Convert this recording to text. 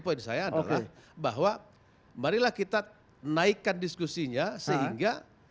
poin saya adalah bahwa marilah kita naikkan diskusinya sehingga